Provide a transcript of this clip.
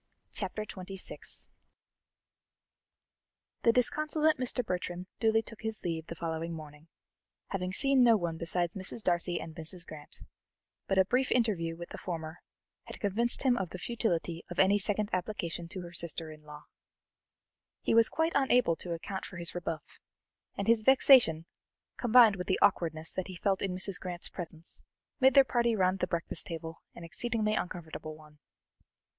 Chapter XXVI The disconsolate Mr. Bertram duly took his leave the following morning, having seen no one besides Mrs. Darcy and Mrs. Grant, but a brief interview with the former had convinced him of the futility of any second application to her sister in law. He was quite unable to account for his rebuff, and his vexation, combined with the awkwardness that he felt in Mrs. Grant's presence, made their party round the breakfast table an exceedingly uncomfortable one.